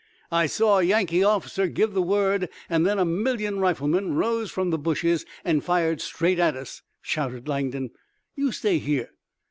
"I saw a Yankee officer give the word, and then a million riflemen rose from the bushes and fired straight at us!" shouted Langdon. "You stay here!